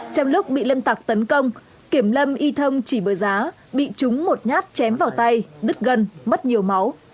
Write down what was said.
trong lúc bị lâm tặc tấn công kiểm lâm y thông chỉ bởi giá bị trúng một nhát chém vào tay đứt gân mất nhiều máu